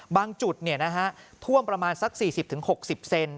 บางจุดเนี่ยนะคะท่วมประมาณสักสี่สิบถึงหกสิบเซน